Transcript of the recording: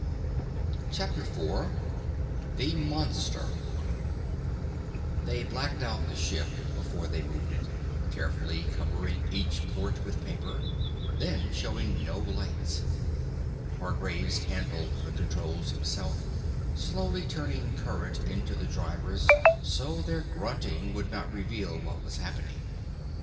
CHAPTER IV The Monster They blacked out the ship before they moved it, carefully covering each port with paper, then showing no lights. Hargraves handled the controls himself, slowly turning current into the drivers so their grunting would not reveal what was happening.